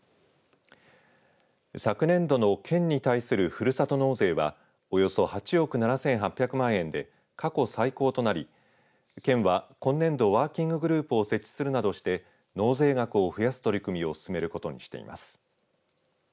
昨年度の県に対するふるさと納税はおよそ８億７８００万円で過去最高となり県は今年度ワーキンググループを設置するなどして納税額を増やす取り組みを進めることにしています。